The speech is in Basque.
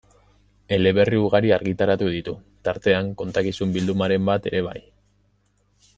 Eleberri ugari argitaratu ditu, tartean kontakizun bildumaren bat ere bai.